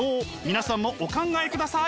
皆さんもお考えください！